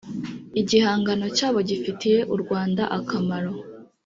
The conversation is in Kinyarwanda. igihangano cyabo gifitiye u rwanda akamaro